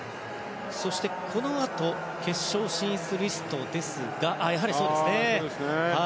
そして、決勝進出リストですがやはりそうですね。